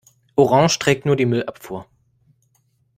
Orange trägt nur die Müllabfuhr.